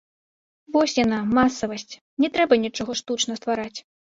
Вось яна, масавасць, не трэба нічога штучна ствараць!